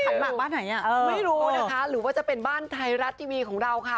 หมากบ้านไหนอ่ะไม่รู้นะคะหรือว่าจะเป็นบ้านไทยรัฐทีวีของเราค่ะ